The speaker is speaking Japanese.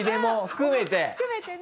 含めてね。